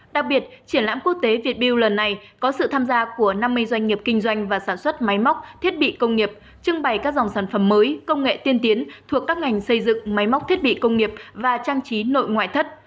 đặc biệt triển lãm quốc tế việt build lần này có sự tham gia của năm mươi doanh nghiệp kinh doanh và sản xuất máy móc thiết bị công nghiệp trưng bày các dòng sản phẩm mới công nghệ tiên tiến thuộc các ngành xây dựng máy móc thiết bị công nghiệp và trang trí nội ngoại thất